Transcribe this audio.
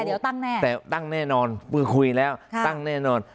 เดี๋ยวตั้งแน่แต่ตั้งแน่นอนมือคุยแล้วตั้งแน่นอน